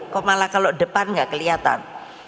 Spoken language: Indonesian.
kok malah kalau depan nggak kelihatan